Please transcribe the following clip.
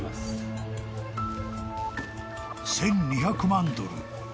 ［１，２００万ドル］